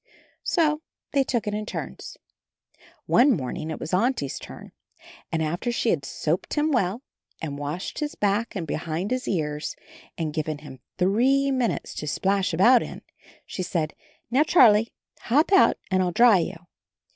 So they took it in turns. One morning it was the Auntie's turn, and after she had soaped him well, and washed his back and behind his ears, and given him three minutes to splash about in, she said, "Now, Charlie, hop out and I'll dry you."